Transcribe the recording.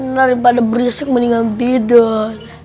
daripada berisik mendingan tidur